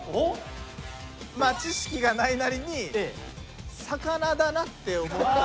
まあ知識がないなりに魚だなって思って。